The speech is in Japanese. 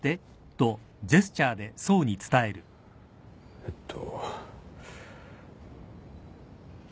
えっと。